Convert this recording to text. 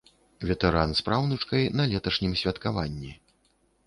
Ветэран з праўнучкай на леташнім святкаванні.